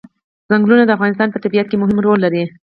چنګلونه د افغانستان په طبیعت کې مهم رول لري.